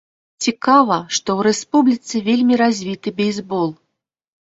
Цікава, што ў рэспубліцы вельмі развіты бейсбол.